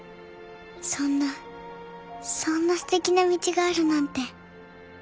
そんなそんなすてきな道があるなんて。